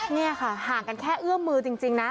นี่ค่ะห่างกันแค่เอื้อมมือจริงนะ